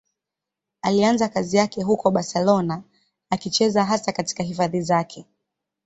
Alianza kazi yake huko Barcelona, akicheza hasa katika hifadhi zake.